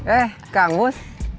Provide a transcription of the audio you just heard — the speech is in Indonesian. eh kang mus